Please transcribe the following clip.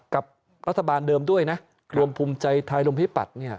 กับรัฐบาลเดิมด้วยนะรวมภูมิใจไทยรมพิพัฒน์